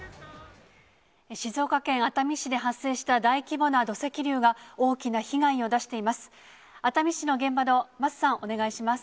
静岡県熱海市で発生した大規模な土石流が大きな被害を出しています。